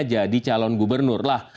jadi calon gubernur lah